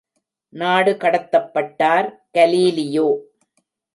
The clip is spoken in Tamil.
நாடு கடத்தப்பட்டார் கலீலியோ!